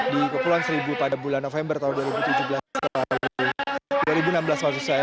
di kepulauan seribu pada bulan november tahun dua ribu tujuh belas lalu dua ribu enam belas maksud saya